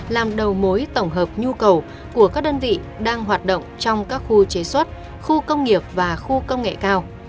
làm đầu mối tổng hợp nhu cầu của các đơn vị đang hoạt động trong các khu chế xuất khu công nghiệp và khu công nghệ cao